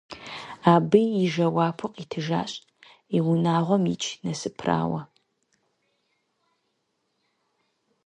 Абы и жэуапу къитыжащ, и унагъуэм икӀ Насыпрауэ.